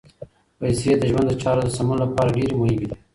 پیسې د ژوند د چارو د سمون لپاره ډېرې مهمې دي.